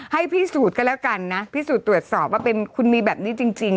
ให้พิสูจน์ก็แล้วกันนะพิสูจน์ตรวจสอบว่าเป็นคุณมีแบบนี้จริง